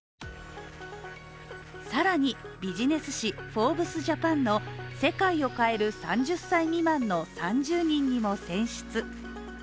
更に、ビジネス誌「ＦｏｒｂｅｓＪＡＰＡＮ」の「世界を変える３０歳未満」の３０人にも選出。